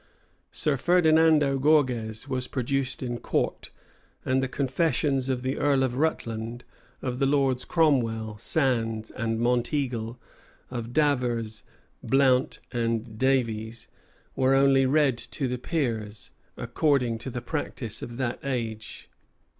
Sir Ferdinando Gorges was produced in court: the confessions of the earl of Rutland, of the lords Cromwell, Sandys, and Monteagle, of Davers, Blount, and Davies, were only read to the peers, according to the practice of that age.